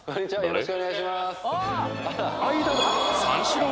よろしくお願いします